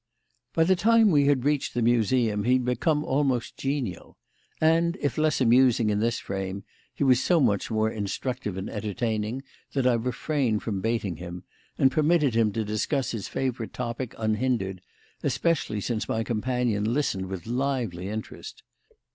By the time we had reached the Museum he had become almost genial; and, if less amusing in this frame, he was so much more instructive and entertaining that I refrained from baiting him, and permitted him to discuss his favourite topic unhindered, especially since my companion listened with lively interest.